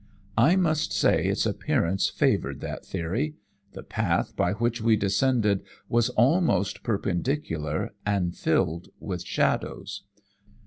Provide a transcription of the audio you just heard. I must say its appearance favoured that theory. The path by which we descended was almost perpendicular, and filled with shadows.